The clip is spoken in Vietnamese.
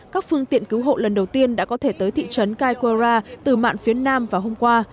các phương tiện cứu hộ lần đầu tiên đã có thể tới thị trấn cai quora từ mạng phía nam vào hôm qua